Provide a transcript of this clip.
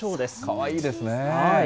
かわいいですね。